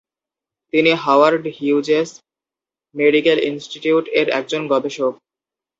তিনি Howard Hughes Medical Institute এর একজন গবেষক।